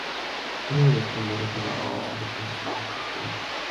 Fue uno de los primeros videojuegos en emplear síntesis de voz.